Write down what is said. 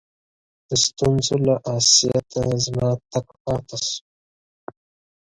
د ستونزو له آسیته زما تګ پاته سو.